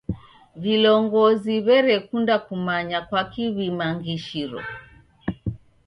Vilongozi w'erekunda kumanya kwaki w'imangishiro.